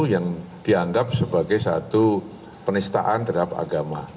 yang dianggap sebagai satu penistaan terhadap agama